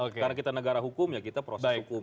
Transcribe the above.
karena kita negara hukum ya kita proses hukum